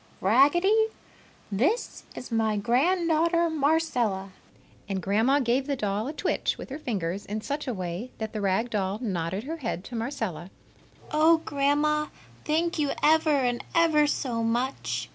Raggedy, this is my grand daughter, Marcella!" And Grandma gave the doll a twitch with her fingers in such a way that the rag doll nodded her head to Marcella. "Oh, Grandma! Thank you ever and ever so much!"